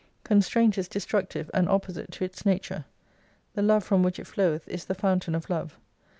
Constraint is destructive and opposite to its nature. The Love from which it flow eth is the fountain of Love.